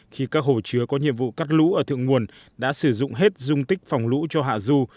khi các hồ chứa có nhiệm vụ cắt lũ ở thượng nguồn đã sử dụng hết dung tích phòng lũ cho hạ du